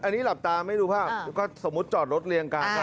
อันนี้หลับตาไม่ดูภาพก็สมมุติจอดรถเรียงกัน